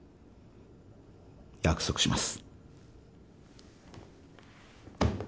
約束します